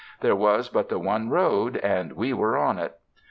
There was but the one road and we were on it.